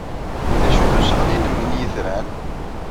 D acu-t usɣel-nnem n yitran?